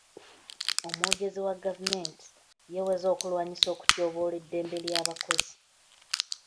Omwogezi wa gavumenti yeeweze okulwanyisa okutyoboola eddembe ly'abakozi.